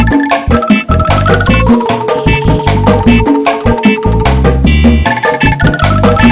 lalu tadi samaas ada jalan jalan apa lagi